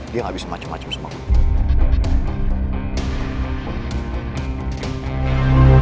dia gak bisa macem macem sama gue